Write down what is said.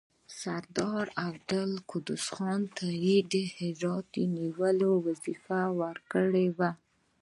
سردار عبدالقدوس خان ته یې د هرات نیولو وظیفه ورکړې وه.